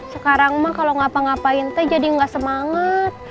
sekarang mah kalau ngapa ngapain teh jadi gak semangat